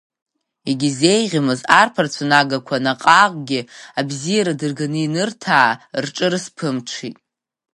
Егьызеӷьымыз арԥарцәа нагақәа, наҟ-ааҟгьы абзиара дырганы ианырҭаа, рҿы рызԥымҽит.